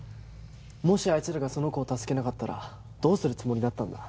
もしあいつらがその子を助けなかったらどうするつもりだったんだ？